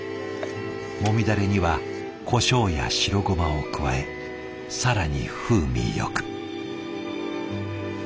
もみダレにはこしょうや白ごまを加え更に風味よく。